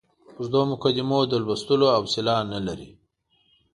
اوږدو مقدمو د لوستلو حوصله نه لري.